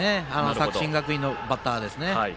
作新学院のバッターはですね。